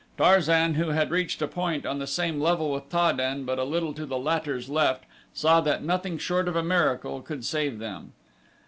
Tarzan, who had reached a point on the same level with Ta den but a little to the latter's left, saw that nothing short of a miracle could save them.